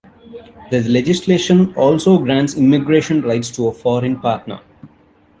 The legislation also grants immigration rights to a foreign partner.